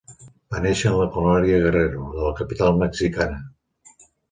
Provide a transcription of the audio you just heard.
Va néixer en la colònia Guerrero de la capital mexicana.